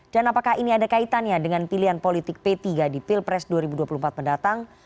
dan apakah ini ada kaitannya dengan pilihan politik p tiga di pilpres dua ribu dua puluh empat mendatang